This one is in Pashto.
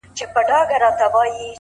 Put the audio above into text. هغه د زړونو د دنـيـا لــه درده ولـوېږي،